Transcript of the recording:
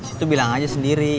itu bilang aja sendiri